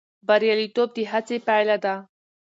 بریالیتوب د هڅې پایله ده.